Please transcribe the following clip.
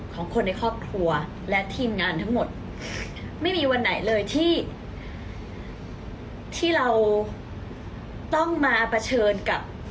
ของคนในครอบครัวและทีมงานทั้งหมดไม่มีวันไหนเลยที่ที่เราต้องมาเผชิญกับ